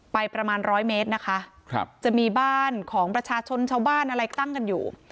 ประมาณร้อยเมตรนะคะครับจะมีบ้านของประชาชนชาวบ้านอะไรตั้งกันอยู่